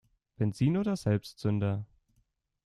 Benzin oder Selbstzünder?